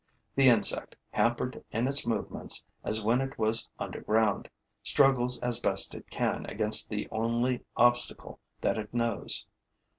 The insect, hampered in its movements as when it was underground, struggles as best it can against the only obstacle that it knows.